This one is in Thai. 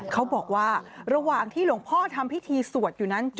เขาบอกว่าระหว่างที่หลวงพ่อทำพิธีสวดอยู่นั้น